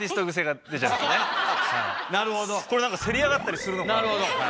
これせり上がったりするのかなと。